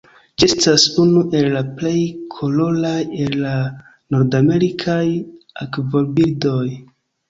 Ĝi estas unu el la plej koloraj el la nordamerikaj akvobirdoj.